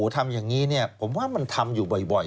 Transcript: ทำอย่างนี้ผมว่ามันทำอยู่บ่อย